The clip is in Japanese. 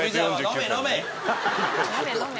「飲め！飲め！」